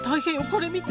これ見て。